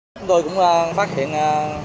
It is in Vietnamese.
chúng tôi cũng phát hiện nhiều